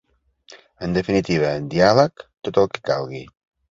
En definitiva, diàleg, tot el que calgui.